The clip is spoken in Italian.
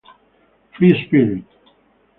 Free Spirit